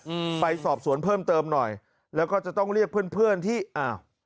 อืมไปสอบสวนเพิ่มเติมหน่อยแล้วก็จะต้องเรียกเพื่อนเพื่อนที่อ้าว